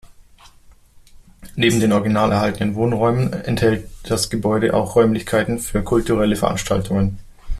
Neben den original erhaltenen Wohnräumen enthält das Gebäude auch Räumlichkeiten für kulturelle Veranstaltungen.